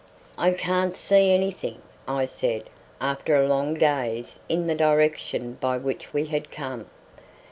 "I can't see anything," I said, after a long gaze in the direction by which we had come.